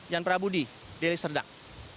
jan prabudi dili serdang